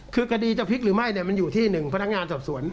คือคดีจะพลิกหรือไม่มันอยู่ที่๑พนักงานสอบสวน